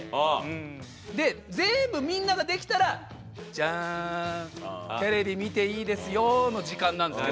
で全部みんなができたら「じゃんテレビ見ていいですよ」の時間なんですけど。